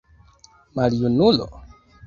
Maljunulo?